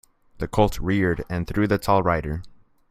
The colt reared and threw the tall rider.